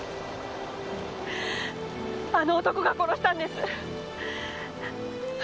あの男が殺したんです！